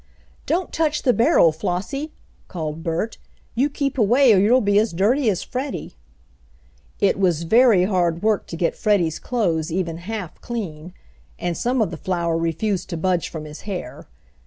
"Don't touch the barrel, Flossie!" called Bert. "You keep away, or you'll be as dirty as Freddie." It was very hard work to get Freddie's clothes even half clean, and some of the flour refused to budge from his hair.